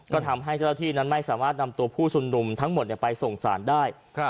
ก็ทำให้เจ้าหน้าที่นั้นไม่สามารถนำตัวผู้ชุมนุมทั้งหมดไปส่งสารได้